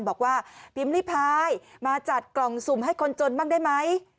บอกว่าพิมพ์ริพายมาจัดกล่องสุ่มให้คนจนบ้างได้ไหม